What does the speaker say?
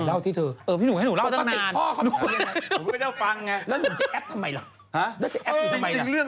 เรารับไปฟังแล้วกัน